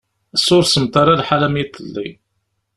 Assa ur semmeḍ ara lḥal am yiḍelli.